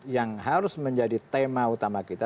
yang harus menjadi tema utama kita